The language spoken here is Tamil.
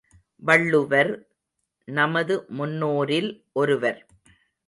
வள்ளுவர் நமது முன்னோரில் ஒருவர்.